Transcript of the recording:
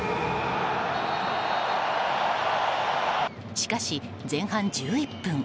しかし前半１１分。